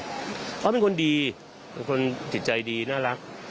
เขาเป็นคนดีเป็นคนจิตใจดีน่ารัก